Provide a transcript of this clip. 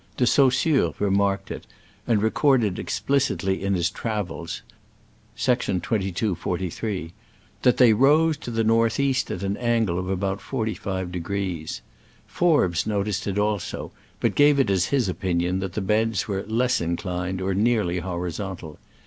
De Saussure re marked it, and recorded explicitly in his Travels (^2243) that they "rose to the north east at an angle of about forty five degrees. Forbes noticed it also, but gave it as his opinion that the beds were "less inclined, or nearly horizontal.'